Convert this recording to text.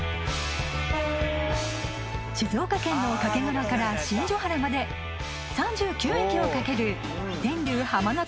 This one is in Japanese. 静岡県の掛川から新所原まで３９駅を駆ける